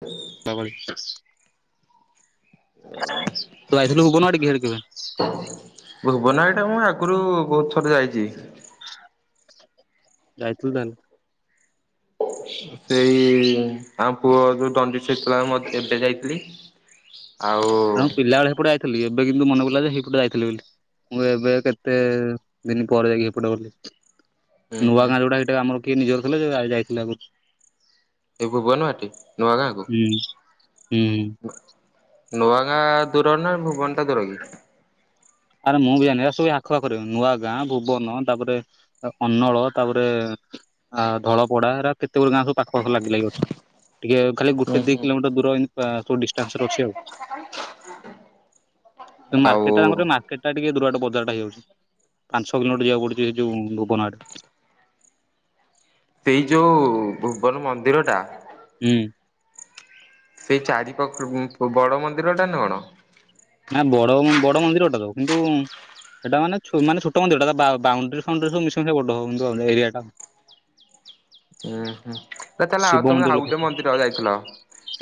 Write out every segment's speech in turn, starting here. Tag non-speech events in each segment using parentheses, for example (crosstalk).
ସୁ ହଁ ଭାଇ ତୁ ଯାଇଥିଲୁ ଅଙ୍ଗନବାଡ଼ି ଆଡ଼େ କେବେ ଭୁବନଘାଇ ମୁଁ ଆଗରୁ ବହୁତ ଥର ଯାଇଛି ଯାଇଥିଲୁ ତାହେଲେ ସେଇ ଆମ ପୁଅ ଯୋଉ ଦଣ୍ଡିସି ହେଇଥିଲା ମଝିରେ ଏବେ ଯାଇଥିଲି ଆଉ ହଁ ପିଲା ବେଳେ ସେପଟେ ହାଇଥିଲି ଏବେ କିନ୍ତୁ ମନେ ପଡ଼ିଲା ଯେ ସେଇପଟେ ଯାଇଥିଲି ବୋଲି ମୁଁ ଏବେ କେତେଦିନି ପରେ ଯାଇକି ଏପଟେ ଗଲି ହୁଁ ହୁଁ ନୂଆଗାଁ ଯୋଉଡା ସେଟା ଆମର କିଏ ନିଜର ଥିଲା ଯେ ଯାଇଥିଲି ଆଗରୁ ଏ ଭୁବନବାଟି ନୂଆ ଗାଁ କୁ ହୁଁ ହୁଁ ନୂଆ ଗାଁ ଦୂର ନା ଭୁବନଟା ଦୂର କି ଆରେ ମୁଁ ବି ଜାଣିନି ସବୁ ଆଖପାଖରେ ନୂଆଗାଁ ଭୁବନ ତାପରେ କନ୍ନଳ ତାପରେ ଅ ଧଳପଡା ଏ କେତେ ଗୁଡେ ଗାଁ ସବୁ ପାଖ ପାଖ ଲାଗି ଲାଗି ଅଛି ଟିକେ ଖାଲି ଗୋଟେ ହୁଁ ଦି ହୁଁ କିଲୋମିଟର ଦୂର ଏମିତି ଆ ସବୁ ଡିଷ୍ଟାନ୍ସରେ ଅଛି ଆଉ ଆଉ ମାର୍କେଟ ରେ ଆମ ମାର୍କେଟ୍ ଟିକେ ଦୂର ବାଟ ବଜାରଟା ହେଇଯାଉଛି ପାଞ୍ଚ ଛଅ କିଲୋମିଟର ଯିବାକୁ ପଡଛି ହେ ଯୋଉ ଭୁବନ ଆଡ଼େ ସେଇ ଯୋଉ ଭୁବନ ମନ୍ଦିରଟା ହୁଁ ସେଇ ଚାରିପଖରେ ବଡ଼ ମନ୍ଦିରଟା ନା କଣ ନା ବଡ଼ ବଡ଼ ମନ୍ଦିରଟା ତ କିନ୍ତୁ ସେଟା ମାନେ ମାନେ ଛୋଟ ମନ୍ଦିରଟା ତା ବା ବାଉଣ୍ଡରୀ ଫାଉଣ୍ଡ୍ରିଙ୍ଗି ସବୁ ମିଶି କି ବଡ଼ ଏରିଆ ଟା ଉୁଁ ହୁଁ ତାହେଲେ ଶିବ ଆଉ ତମେ ମନ୍ଦିର ଆଉ ଲେଖା ଗୋଟେ ହେଇଛି। ମନ୍ଦିର ଯାଇଥିଲ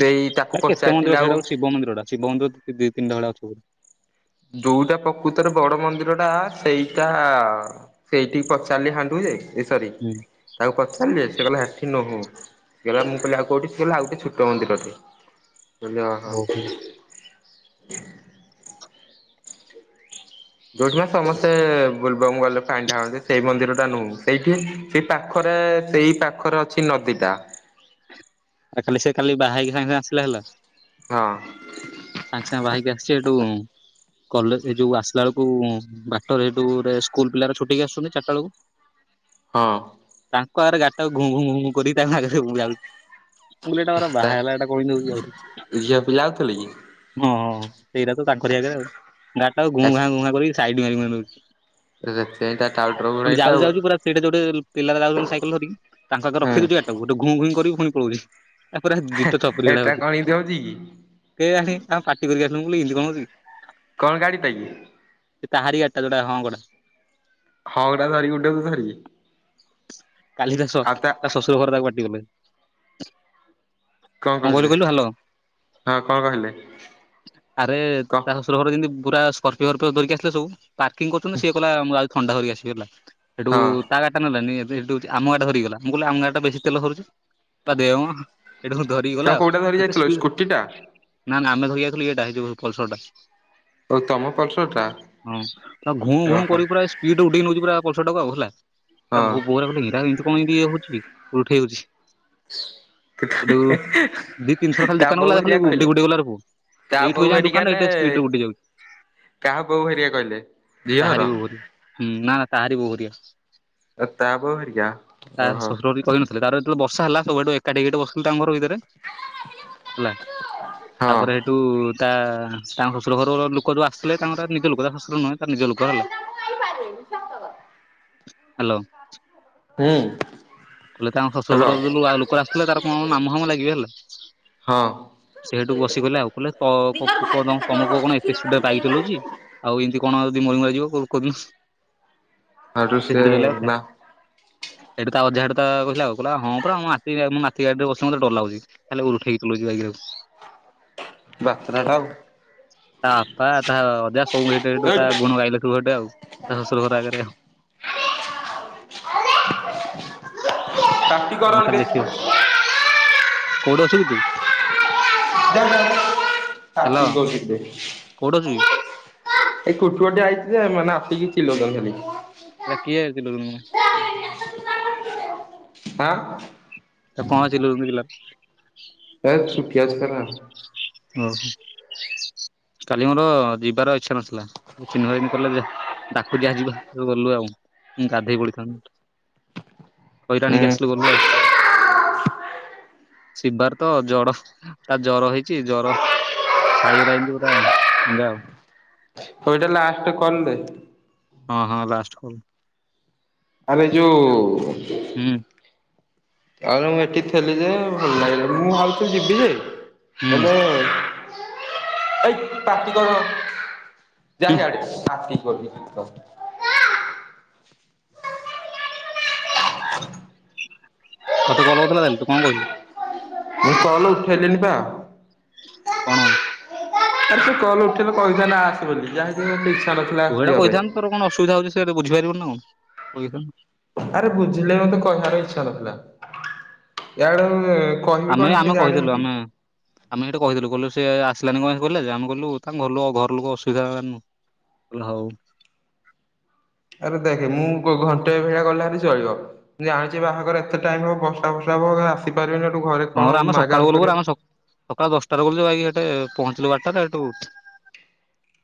ସେଇ ତାକୁ ପଚାରିଥିଲେ ଆଉ ବନ୍ଦୁ ଦି ତିନି ଅଛି ବୋଧେ ଯୋଉଟା ପ୍ରକୃତରେ ବଡ଼ ମନ୍ଦିରଟା ସେଇଟା ସେଇଠି ପଚାରିଲି ହାଣ୍ଡୁ ଯେ ଏ ସରି ହୁଁ ତାକୁ ପଚାରିଲି ସେ କହିଲା ଏଠି ନେହୁ ସେ କ ମୁଁ କହିଲି ଆଉ କେଉଁଠି ମୁଁ କହିଲି ଆଉ ଛୋଟ ମନ୍ଦିର ଟେ କହିଲି ଓହୋ। ଅହୋ ଯୋଉଠି ସମସ୍ତେ ବେଲବମ୍ ଗଲେ ପାଣିଡାଳନ୍ତି ସେଇ ମନ୍ଦିର ଟା ନୁହଁ ସେଇଠି ସେଇ ପାଖରେ ସେଇ ପାଖରେ ଅଛି ନଦୀଟା ରାତିରେ କାଲି ସେ ବାହା‌ ହେଇକି ସାଙ୍ଗେ ସାଙ୍ଗେ ଆସିଲା ହେଲା ହଁ ସାଙ୍ଗେ ସାଙ୍ଗେ ବାହାହେଇକି ଆସିଛି ଏଠୁ କଲେଜ୍ ଏ ଯୋଉ ଆସିଲା ବେଳକୁ ବାଟରେ ସେଠୁ ସ୍କୁଲ୍ ପିଲାଗୁରା ଛୁଟି ହେଇକି ଆସୁଛନ୍ତି ଚାରିଟା ବେଳକୁ ହଁ ତାଙ୍କ ଆଗରେ ଗାଡ଼ି ଟାକୁ ଘୁଁ ଘୁଁ ଘୁଁ ଘୁଁ କରି ତାଙ୍କ ଆଗରେ ମୁଁ ଯାଉଛି ମୁଁ ଏଇଟା ମୋର ବାହାହେଲା ଏଇଟା କହିଦେଉଛି ଆହୁରି ମୁଁ ଯାଉଥିଲି କି ହଁ ସେଇଟା ତ ତାଙ୍କରି ଆଗରେ ଆଉ ଗାଡିଟାକୁ ଘୁ ଆସ ଘା ଘୁ ଘା କରିକି ସାଇଟି ମାରିକି ନେଉଛି ସେଇଟା ପୁଣି ଯାଉଛି ଯାଉଛି ପୁରା ସେଇଠା ଯୋଉଟ ପିଲାଗୁରା ଯାଉଛନ୍ତି ସାଇକେଲ୍ ଧରିକ ତାଙ୍କ ଆଗରେ ରଖି ହୁଁ ଦେଉଛି ଗାଡ଼ି ଟାକୁ ଘୁଁ ଘୁଇଁ କରିକି ପୁଣି ପଳେଉଛି ତାପରେ ଦିତ ଚପରିଡା ହେଉଛି ଦେଓଛି କେ ଜାଣି ତାଙ୍କ ପାଟି ପରିକା ଶୁଭୁନି ବୋଲି ଏମିତି କଣ ହେଉଛି କି କଣ ଗାଡି ପାଇଁ କି? ସେ ତାହାରି ଗାଡ଼ି ଯୋଉଟା ହଁ ଗଡା ହଁ ଗଟା ଚରିଗୁଡ଼ାକୁୁ ବାହାରିବି କାଲି ତା ଶ ତା ଶ୍ୱଶୁର ଘର ତାକୁ ପାଟିକଲେ। କଣ କହିଲେ ହଁ କଣ କହିଲେ? ଆରେ କ ତା ଶ୍ୱଶୁର ଘର ଯେମିତି ପୁରା ସ୍କର୍ପିଓ ଅର୍ପିଓ ଧରିକି ଆସିଥିଲେ ସବୁ। ପାର୍କିଂ କରୁଛନ୍ତି ସିଏ କହିଲା ମୁଁ ଆଉ ଥଣ୍ଡା ଧରିକି ଆସିବି ହେଲା ସେଠୁ ହଁ ତା ଗାଡିଟା ନେଲାଣି ଏବେ ସେଠୁ ଆମ ଗାଡିଟା ଧରିକି ଗଲା ମୁଁ କହିଲି ଆମ ଗାଡିଟା ବେଶୀ ତେଲ ସରୁଛି। ତା ଦେ ମ ଏଇଟା ମୁଁ ଧରିକି ଗଲା ତମେ କୋଉଟା ଧରି କେତେ ଯାଇଥିଲ ସ୍ପିଡ ସ୍କୁଟି ଟା ନା ନା ଆମେ ଧରି ଆଇଥିଲୁ ଇଏଟା ହେଇ ଯୋଉ ପଲସରଟା। ଓ ତମ ପଲସର ଟା ହଁ ତା ଘୁଁ ଘୁଁ ଓହୋ କରି ପୁରା ସ୍ପିଡ୍ ଉଡେଇ ନଉଛି ପୁରା ପଲସରଟାକୁ ଆଉ ହେଲା ତା ଭୋ ହଁ ବୋଉ ଗୋରା କହୁଥିଲେ ଇରା ଏମିତି କଣ ଏମିତି ଇଏ ହଉଛି ଉଠେଇ ହଉଛି। ସେଠୁ ଦି ତିନିଥର ଖାଲି ତା ଦୋକାନ ବୋଉ ଗଲା ହେରିକା ଖାଲି କହିଲେ ଉଡେଇ ଉଡେଇ ଗଲା ଆରେ ବୋଉ ତା ଏଇଠୁ ବୋଉ ହେଇଯା ହେରିକା ଦୋକାନଟା ନେ ଏତେ ସ୍ପଡରେ ଉଡି ଯାଉଛି। କାହା ବୋଉ ହେରିକା କହିଲେ ଝିଅର ତାହାରି ବି ଭୁଲ୍ ନା ନା ତାହାରି ବୋଉ ଘରିଆ ଏ ତା ପୁଅ ଘରିକା ତା ଶ୍ୱଶୁର ଘର ବି କହିନଥିଲେ ତାର ସେଠୁ ବର୍ଷା ହେଲା ସବୁଆଡୁ ଏକାଠି ହେଇକି ସେଠୁ ବସିଲୁ ତାଙ୍କ ଘର ଭିତରେ। ହେଲା ତାପରେ ସେଇଠୁ ତା ତାଙ୍କ ଶ୍ୱଶୁର ଘରର ଲୋ କ ସବୁ ଆସିଲେ ତାଙ୍କର ନିଜ ଲୋକ ତା ଶ୍ୱଶୁର ନୁହେଁ ତାର ନିଜ ଲୋକ ହେଲା। ହାଲୋ। ହୁଁ କହିଲେ ତାଙ୍କ ଶ୍ୱଶୁର ହ୍ୟାଲୋ ଘର ଯୋଉ ନୂଆ ଲୋକ ଆସିଥିଲେ ତାର କଣ ମାମୁଁ ଫାମୁଁ ଲାଗିବେ ହେଲା। ହଁ ସେଇଠୁ ବସି ପଇଲେ ଆଉ କହିଲେ ତ-କ-ପୁ-କ ତମ ତମ ପୁଅ କଣ ଏତେ ସ୍ପିଡରେ ବାଇକ ଚଲଉଛି? ଆଉ ଏମିତି କଣ ଯଦି ମରି ମାରିଯିବ କୋ କୋଉ ଦିନ। ସେଇଠୁ ସେ ବା ସେଇଠୁ ତା ଅଜା ସେଇଠୁ ତା କହିଲା ଆଉ ହଁ ପରା ମୋ ନାତି ଆଉ ମୋ ନାତି ଗାଡିରେ ବସିଲେ ମତେ ଡର ଲାଗୁଛି। ଖାଲି ଉଲଠେଇକି ଚଲଉଛି ବାଇକଟାକୁ। ବାତେରାଟା ଆଉ। ତା ବାପା ତା ଅଜା ସବୁ ଏଠୁ ହେଠୁ ତା ଏଇ ଗୁଣ ଗାଇଲେ ସବୁ ଗୋଟେ ଆଉ। ତା ଶ୍ଵଶୁରଘର ଆଗରେ ତା କୋଉଠି ଅଛୁ କି ତୁ? ହାଲୋ (unintelligible) କୋଉଠି ଅଛୁ କି? ଏଇ କୁଟୁଆଟେ ଆଇଛି ଯେ ମାନେ ଆସିକି ଚିଲଉଛନ୍ତି ଖାଲି। ସେଇଟା କିଏ (unintelligible) ଆଁ? ତା କଣ ଚିଲଉଛି ପିଲା? ଏ ଛୋଟିଆ ଛୋଟିଆ ବା ଓ କାଲି ମୋର ଯିବାର ଇଚ୍ଛା ନଥିଲା। ଚିନୁ ଭାଇ ଏଇନେ କହିଲା ଯା ଡାକୁଛି ଆ ଯିବା ତ ଗଲୁ ଆଉ ଗାଧେଇ ପଡିଥାନ୍ତୁ। ହଇରାଣ ହୁଁ ହେଇକି ଆସିଲୁ ଗଲୁ ଆଉ। ଶିବାର ତ ଜର ତା ଜର ହେଇ ଛି ଜ୍ଵର ଛାଡିଗଲା ଏମିତି ପୁରା ଚାଙ୍ଗା ଆଉ। ହୋଉ ଏଇଟା ଲାଷ୍ଟ କଲରେ ହଁ ହଁ ଲାଷ୍ଟକୁ ଆରେ ଯୋଉ ହୁଁ। ଆଉ ମୁଁ ଏଠି ଥିଲି ଯେ ଭଲ ଲାଗିଲା ମୁଁ ଭାବୁଚି ଯିବି ଯେ ହୁଁ ହେଲେ ଏଇ ପାଟି କର। ଯା ହୁଁ ସିଆଡେ ପାଟି କରୁଚି। ତତେ କଲ କରିଥିଲା ତାହେଲେ ତୁ କଣ କହିଲୁ? ମୁଁ କଲ ଉଠେଇଲିଣିି ବା। (inaudible) ଆରେ ସେ କଲ ଉଠେଇଲେ କହିଥାଆନ୍ତା ଆସେ ବୋଲିି ଯାହାକି ମତେ ଇଛା ନାହିଁ। ତୁ ଏଇଟା କହିଥାନ୍ତୁ ତୋର କଣ ଅସୁବିଧା ହଉଛି ସେ ତତେ ବୁଝି ପାରିବନି ନା କଣ କହିଥାନ୍ତ ଆରେ ବୁଝିଲେ ମତେ କହିବାର ଇଚ୍ଛା ନଥିଲା ୟାଡୁ ଆମେ ଆମେ କହିଥିଲୁ ଆମେ ଆମେ ଏଇଠେ ବଇଥିଲୁ କହିଲୁ ସେ ଆସିଲାନି କଣ କହିଲା ଯେ ଆମେ କହିଲୁ ତାଙ୍କ ଘର ଘର ଲୋକ ଅସୁବିଧା ହେଲାନା ହଉ। ଆରେ ଦେଖେ ମୁଁ ଘଣ୍ଟେ ଭଳିଆ ଗଲେ ହେରି ରହିବ। ଜାଣିଛି ବାହାଘର ଏତେ ଟାଇମ ହବ ବର୍ଷା ଫସା ହବ ଆସିପାରିବେନି ଏ ଘରେ ହଁରେ କଣ ଆମେ ମାଗା ସକାଳୁ ମାଗି ଗଲୁ ପରା କରିବ? ଆମେ ସକାଳ ଦଶଟାରେ ଗଲୁ ଜେ ଭାଇ ସେଠେ ପହଞ୍ଚିଲୁ ବାରଟାରେ ସେଠୁ।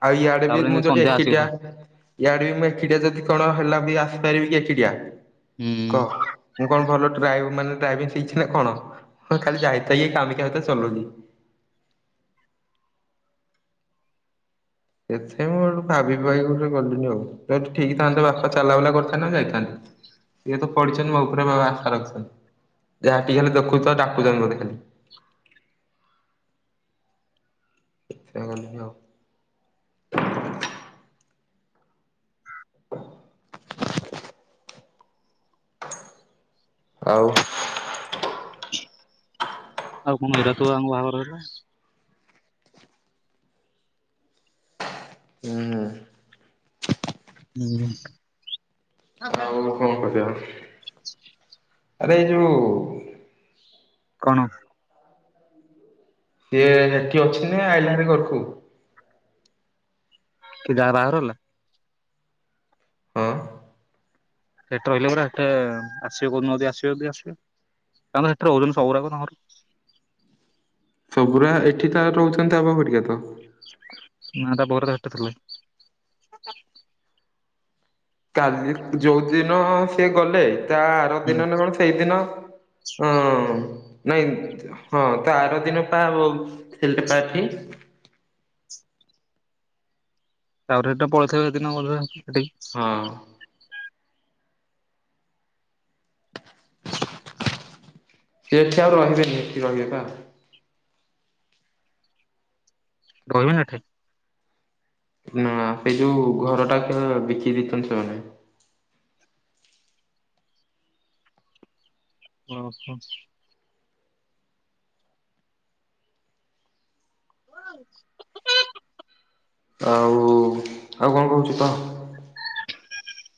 ଆଉ ଇଆଡେ ବି ମୁଁ ଯୋଉଠି ସନ୍ଧ୍ୟା ଆସିଗଲା। ଏକିଟାଆ ଇଆଡେ ବି ମୁଁ ଏକିଟିଆ ଯଦି କଣ ହେଲା ବି ଆସିପାରିବି କି ଏକିଟିଆ ହୁଁ। କହ ମୁଁ କଣ ଭଲ ଡ୍ରାଇଭ ମାନେ ଡ୍ରାଇଭିଂ ଶିଖିଛି ନା କଣ? ହଁ ଖାଲି ଯାହିଁ ତାହିଁ କାମ କୋଉଟା ଚଲଉଛି। ଏଥେ ମୁଁ ଭାବି ଗୋଟେ ଗଲିଣିି ଆଉ ଯଦି ଠିକ ଥାନ୍ତେ ବାପା ଚାଲା ବୁଲା କରିଥାନ୍ତେ ମୁଁ ଯାଇଥାନ୍ତେ। ସିଏ ତ ପଢିଛନ୍ତି ମୋ ଉପରେ ଆଶା ରଖିଛନ୍ତି ଯାହା ଟିକେ ହେଲେ ଦେଖୁଛ ଡାକୁଛନ୍ତି ମତେ ଖାଲି। ସେଇଥିପାଇଁ ଗଲିଣି ଆଉ (inaudible) ଆଉ ଆଉ କଣ ଏରା ସବୁ ଆମ ବାହାଘରରେ ହୁଁ। ଆଉ (inaudible) କଣ କରିବା? ଆରେ ଏଇ ଯୋଉ କଣ? ସିଏ ହେଠୀ ଅଛି ନା ଆଇଲା ଭାରି ଘରକୁ। କିଏ ଯାହା ବାହାଘର ହେଲା। ହଁ। ସେଠି ରହିଲେ ପରେ ଏତେ ଆସିବେ କୋଉଦିନ ଯଦି ଆସିବେ ଯଦି ଆସିବେ କାରଣ ସେଠିର ହଉଛନ୍ତି ସବୁକା ତ ଆମର ସବୁଜା ଏଠି ତ ରହୁଛନ୍ତି ଆମ ଭଡ଼ିକା ତ ନା ତା ପରେ ତ ଏଠି ଥିଲେ। କାଲି ଯୋଉ ଦିନ ସିଏ ଗଲେ ତା ଆର ହୁଁ। ଦିନ ନ କଣ ସେଇଦିନ? ହଁ ନାଇ ହଁ ତା ଆର ଦିନ ପା ଆଉ ଥିଲେ ବା ଏଠି। ତ ଆଉ ଥରେ ତ ପଳେଇଥିବ ସେ ଦିନ ବୋଧେ ସେଠି। ହଁ। ସେ ଏଠି ଆଉ ରହିବେନି ଏଠି ରହିବେ ବା। ରହିବନି ଏଠି? ନା ସେଇ ଯୋଉ ଘର ଟା ବିକି ଦେଇଛନ୍ତି ସେମାନେ। ଓ ହୋ। ହୋଇ ଆଉ ଆଉ କଣ କହୁଛୁ କହ? (inaudible)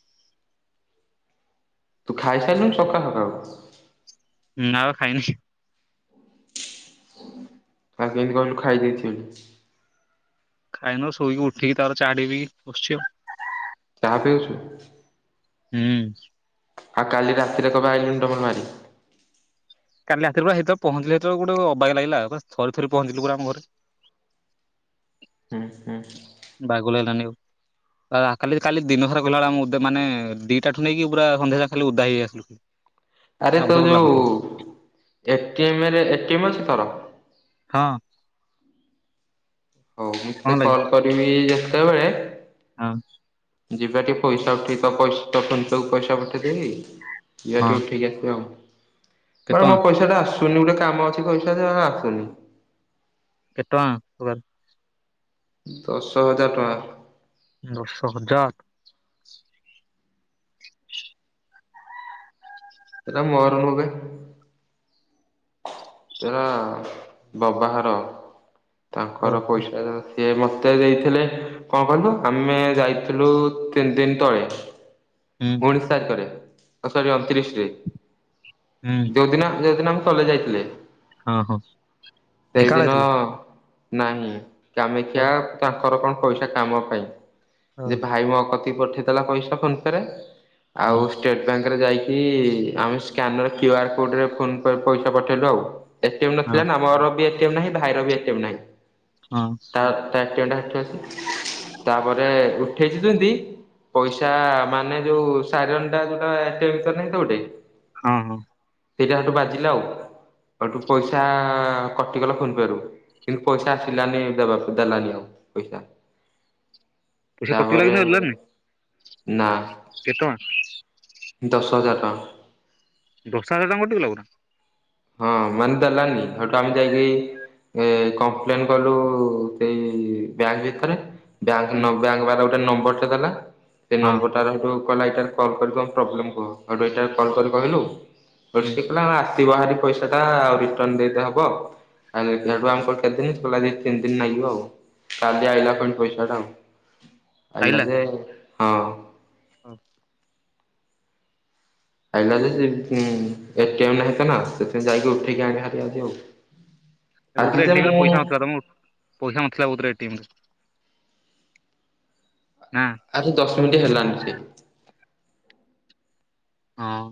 ତୁ ଖାଇସାରିଲୁଣୀ ସକାଳୁ ସକାଳୁ? ନାଁ ବା ଖାଇନି। ଆଉ କେମିତି କହିଲୁ ଖାଇ ଦେଇଥିଲି? ଖାଇନୁ ଶୋଇକି ଉଠିକି ତାପରେ ଚା ଟିକେ ପିଇକି ବସିଚି ଆଉ। ଚାହା ପିଉଛୁ? ହୁଁ। ଆଉ କାଲି ରାତିରେ କଣ ପାଇଁ ଆଇଲୁନି ଟମଲ ମାରି। କାଲି ରାତିରେ ପୁରା ହେଇତ ପହଞ୍ଚିଲି ଯେତେବେଳେ କୁ ଗୋଟେ ଅବାଗିଆ ଲାଗିଲା ଆଉ, ବାସ ଥରି ଥରି ପହଞ୍ଚିଲୁୁ ପରା ଆମ ଘରେ। ଉଁ ହୁଁ। ବାଗଲାଗିଲାନି ଆଉ। ଆ କାଲି, କାଲି ଦିନସାରା ଗଲାବେଳେ ଆମେ ଓଦା ମାନେ ଦିଟାଠୁ ନେଇକି ପୁରା ସନ୍ଧ୍ୟା ଯାଏଁ ଖାଲି ଓଦା ହେଇ ହେଇ ଆସିଲୁ। ଆରେ ତୋ ଆବୁଧା ଗୋଟେ ଯୋଉ ଲାଗୁଥିବ ଏଟିଏମ୍ ରେ ଏଟିଏମ୍ ଅଛି ତୋର? ହଁ। ହଉ ମୁଁ କଣ ତତେ ଲାଗେ କଲ କରିବି ଯେତେବେଳେ ହଁ। ଯିବା ଟିକେ ପଇସା ଉଠେଇ ତ ପଇସା ତ ଫୋନ୍ ପେ କୁ ପଇସା ପଠେଇଦେବି। ଯିବା ଟିକେ ହଁ ଉଠେଇକି ଆସିବା ଆଉ। କେତେ ବାଳ ମୋ ଟଙ୍କା ପଇସାଟା ଆସ ସୁନି ଗୋଟେ କାମ ଅଛି ପଇସା ଯେ ଆସୁନି। କେତେ ଟଙ୍କା ପୁରା? ଦଶ ହଜାର ଟଙ୍କା। ଦଶ ହଜାର! (inaudible) ସେଟା ମୋର ନୁହଁବେ। ସେରା ବବା ଘର, ତାଙ୍କର ପଇସା ଦ ସିଏ ମୋତେ ଦେଇଥିଲେ କଣ କହିଲୁ ଆମେ ଯାଇଥିଲୁ ତିନିଦିନ ତଳେ। (inaudible) ହୁଁ। ଉଣିଶ ତାରିଖରେ ଓ ସରି ଅଣତିରିଶରେ। ହୁଁ। ଯୋଉଦିନ, ଯୋଉଦିନ ଆମେ କଲେଜ୍ ଯାଇଥିଲେ। ଓ ହଁ। ଢେଙ୍କାନାଳ ସେଇଦିନ ଆଇଥିଲ? ନାହିଁ ହଁ କାମେକ୍ଷା ପାଖରୁ କଣ ପଇସା କାମ ପାଇଁ ହଁ ଯେ ଭାଇ ମୋକତି ପଠେଇଥିଲା ପଇସା ଫୋନ ପେରେ। ହଁ ଆଉ ଷ୍ଟେଟ ବ୍ୟାଙ୍କରେ ଯାଇକି ଆମେ ସ୍କାନର କ୍ୟୁ ଆର୍ କୋଡ଼ରେ ଫୋନ୍ ପେ ପଇସା ପଠେଇଲୁ ଆଉ। ଏଟିଏମ୍ ନଥିଲା ନା ଆମର ବି ଏଟିଏମ୍ ନାହିଁ ଭାଇର ବି ଏଟିଏମ୍ ନାହିଁ। ହଁ। ତାର ତା ଏଟିଏମଟା ଏଠୁ ଅସି ତାପରେ ଉଠେଇଛି ଯେମିତି ପଇସା ମାନେ ଯୋଉ ସାଇରନଟା, ଯୋଉଟା ଏଟିଏମ୍ ଭିତରେ ନାହିଁ ତ ଗୋଟେ? ହଁ, ହଁ। ସେଇଟା ହେଠୁ ବାଜିଲା ଆଉ। ହେଠୁ ପଇସା କଟିଗଲା ଫୋନ୍ ପେ ରୁ। କିନ୍ତୁ ପଇସା ଆସିଲାନି, ଦେବାକୁ ଦେଲାନି ଆଉ ପଇସା। ପଇସା କଟିଗଲା ତାପରେ, ନା। କେତଙ୍କ (unintelligible) ଦଶ ହଜାର ଟଙ୍କା! ଦଶ ହଜାର ଟଙ୍କା କଟି ଗଲା ପୁରା। ହଁ, ମାନିଦେଲାନି। ସେଠୁ ଆମେ ଯାଇକି ଏ କମ୍ପ୍ଲେନ କଲୁ ସେଇ ବ୍ୟାଙ୍କ ଭିତରେ। ବ୍ୟାଙ୍କ ନ ହୁଁ ବ୍ୟାଙ୍କ ବା ଗୋଟେ ନମ୍ବର ଦେଲା, ସେ ହଁ ନମ୍ବର (inaudible) ପ୍ରୋବ୍ଲେମ କୁହ, ଏଇଟା କଲ କରି କହିଲୁ। ହୁଁ ତା ଆସିବ, ବାହାରି ପଇସାଟା ଆଉ ରିଟର୍ଣ ଦେଇଦେ ହବ। (unintelligible) କେତେ ଦିନ? ତିନି ଦିନ ନାଗିବ ଆଉ? କାଲି ଆଇଲା କ ପଇସା ଟା ଆଉ? ଆଇିଲା ଆଇଲା? ଯେ, ହଁ। (inaudible) ଆଇଲା ଯେ, ଏ କେହି ନାହିଁ ତ ନା! ସେଥିପାଇଁ ଯାଇକି ଉଠେଇକି ଆଣି ହାରିବା ଆଉ‌ ହୁଁ କୋଉଥିର ଏଟିଏମ୍ ରେ ପଇସା ନଥିଲା ତମ? ପଇସା ନଥିଲା ବୋଧେ ଏଟିଏମ୍ ରେ, (inaudible) ନାଁ? ଆରେ, ଦଶ ମିନିଟ୍ ହେଲାନଣି ସେ। ହଁ।